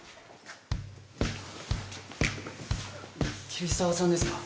桐沢さんですか？